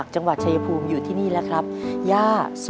จากจังหวะชายภูมิหลังจากจังหวัดยายทีนี่เลยครับ